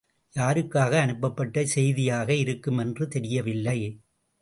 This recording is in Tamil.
யாருக்காக அனுப்பப்பட்ட செய்தியாக இருக்கும் என்றும் தெரியவில்லை.